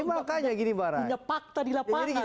punya fakta di lapangan